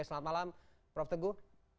selamat malam prof teguh